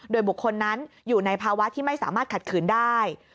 โดยบุคคลนั้นอยู่ในภาวะที่ไม่สามารถขัดขืนได้